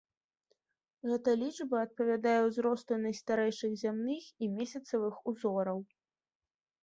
Гэта лічба адпавядае ўзросту найстарэйшых зямных і месяцавых узораў.